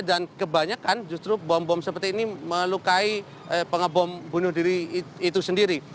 dan kebanyakan justru bom bom seperti ini melukai pengabom bunuh diri itu sendiri